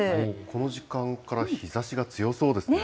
この時間から日ざしが強そうですね。